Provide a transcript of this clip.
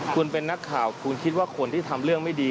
คุณเป็นนักข่าวคุณคิดว่าคนที่ทำเรื่องไม่ดี